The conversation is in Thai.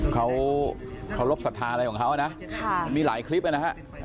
เขาเคารพสัทธาอะไรของเขานะมันมีหลายคลิปนะฮะ